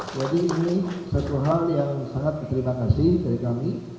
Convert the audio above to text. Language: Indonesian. jadi ini satu hal yang sangat terima kasih dari kami